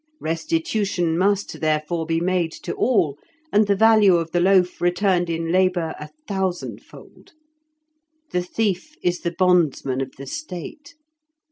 Restitution must, therefore, be made to all, and the value of the loaf returned in labour a thousandfold. The thief is the bondsman of the State.